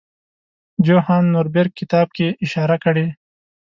جوهان نوربیرګ کتاب کې اشاره کړې.